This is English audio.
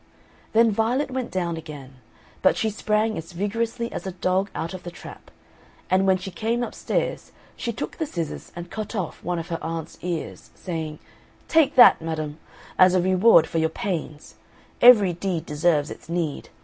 Then Violet went down again, but she sprang as vigorously as a dog out of the trap, and when she came upstairs she took the scissors and cut off one of her aunt's ears, saying, "Take that, madam, as a reward for your pains every deed deserves its need.